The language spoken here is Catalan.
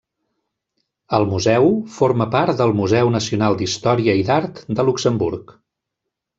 El museu forma part del Museu Nacional d'Història i d'Art de Luxemburg.